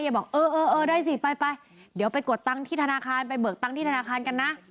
บอกเออเออได้สิไปไปเดี๋ยวไปกดตังค์ที่ธนาคารไปเบิกตังค์ที่ธนาคารกันนะ